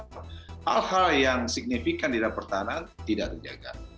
hal hal yang signifikan di daerah pertahanan tidak dijaga